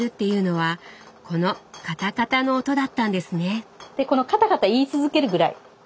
でこのカタカタ言い続けるぐらい。